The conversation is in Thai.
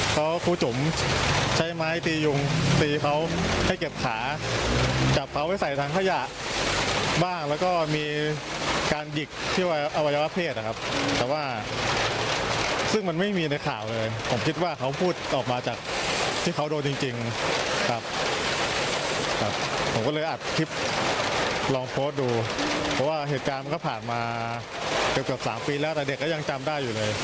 ผมถูกจัดมาเกือบถาม๓ปีแล้วแต่เด็กก็ยังจำได้อยู่เลย